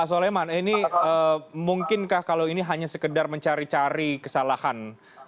pak soleman ini mungkinkah kalau ini hanya sekedar mencari cari kesalahan